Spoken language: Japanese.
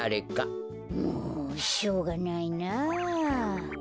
もうしょうがないな。